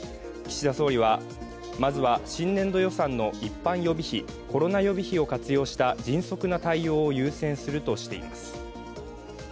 岸田総理は、まずは新年度予算の一般予備費・コロナ予備費を活用した迅速な対応を優先するとしています。